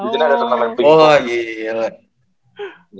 di sini ada tena main ping pong